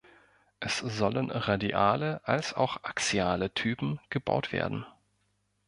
Es sollen radiale als auch axiale Typen gebaut werden.